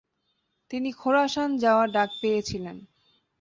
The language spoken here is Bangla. তিনি খোরাসান যাওয়ার ডাক পেয়েছিলেন।